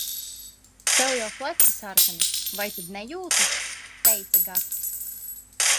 "Tev jau pleci sarkani, vai tad nejūti?" teica Gatis.